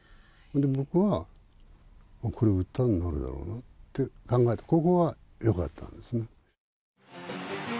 僕は、これ歌になるだろうなって考えて、ここがよかったんですね。